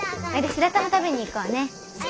白玉食べに行こうね。